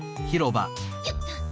よっと。